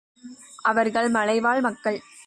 அவர்கள் மலைவாழ் மக்கள்.